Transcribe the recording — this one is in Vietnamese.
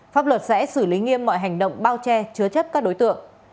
pháp luật sẽ xử lý nghiêm mọi hành động bao che chứa chấp các đối tượng